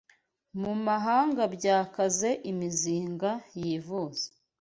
Mu mahanga byakaze Imizinga yivuza